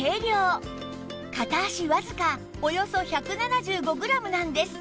片足わずかおよそ１７５グラムなんです